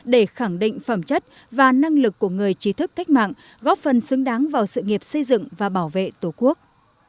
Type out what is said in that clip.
để khẳng định phẩm chất và năng lực của người trí thức cách mạng góp phần xứng đáng vào sự nghiệp xây dựng và bảo vệ tổ quốc